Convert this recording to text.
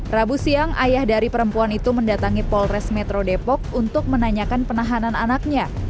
rabu siang ayah dari perempuan itu mendatangi polres metro depok untuk menanyakan penahanan anaknya